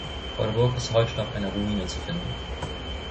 Von der Burg ist heute noch eine Ruine zu finden.